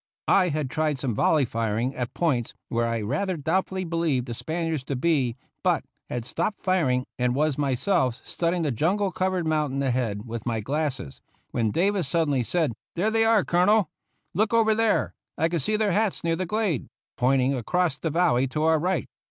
I had tried some volley firing at points where I rather doubtfully believed the Spaniards to be, but had stopped firing and was myself studying the jungle covered mountain ahead with my glasses, when Davis suddenly said: "There they are, Colonel; look over there; I can see their hats near that glade," pointing across the valley to our right.